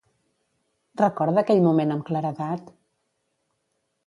Recorda aquell moment amb claredat?